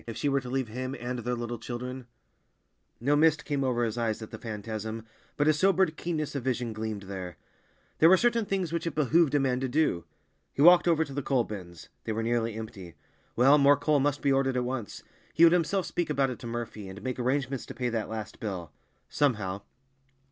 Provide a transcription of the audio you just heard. If she were to leave him and their little children— No mist came over his eyes at the phantasm, but a sobered keenness of vision gleamed there. There were certain things which it behooved a man to do. He walked over to the coal bins—they were nearly empty. Well, more coal must be ordered at once; he would himself speak about it to Murphy, and make arrangements to pay that last bill—somehow.